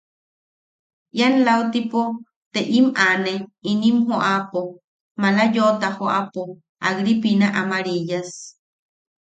–Ian lautipo te im aane inim joʼapo, maala yoʼota joʼapo, Agripina Amariyas.